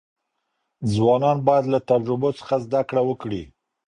ځوانان باید له تجربو څخه زده کړه وکړي.